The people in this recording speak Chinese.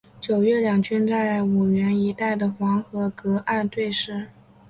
九月两军在五原一带的黄河隔岸对峙。